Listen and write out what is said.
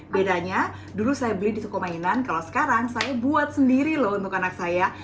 bedanya dulu saya beli di toko mainan kalau sekarang saya buat sendiri loh untuk anak saya